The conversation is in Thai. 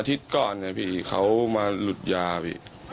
ก่อนเนี่ยพี่เขามาหลุดยาพี่